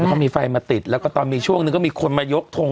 เขามีไฟมาติดแล้วก็ตอนมีช่วงหนึ่งก็มีคนมายกทง